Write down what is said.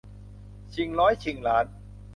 ชิงร้อยชิงล้าน